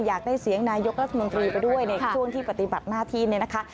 อยากได้เสียงนายกรัฐมนตรีไปด้วยในช่วงที่ปฏิบัติหน้าที่เนี่ยนะคะ